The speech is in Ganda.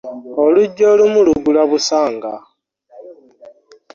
Oluggi olumu lugula busanga.